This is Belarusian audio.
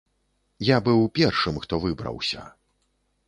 Я быў першым, хто выбраўся.